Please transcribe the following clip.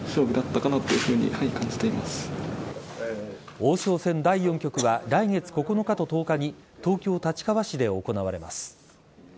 王将戦第４局は来月９日と１０日に東京・立川市で行われます。